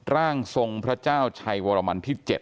ร่างทรงพระเจ้าชัยวรมันที่๗